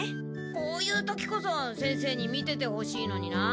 こういう時こそ先生に見ててほしいのにな。